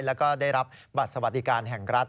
แล้วก็ได้รับบัตรสวัสดิการแห่งรัฐ